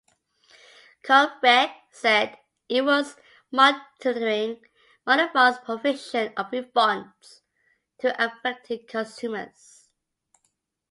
ComReg said it was monitoring Vodafone's provision of refunds to affected consumers.